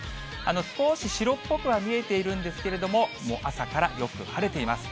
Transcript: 少し白っぽくは見えてるんですけども、もう朝からよく晴れています。